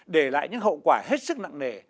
để lại những hậu quả hết sức nặng nề